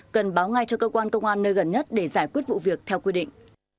cần báo ngay cho cơ quan công an nơi gần nhất để giải quyết vụ việc theo quy định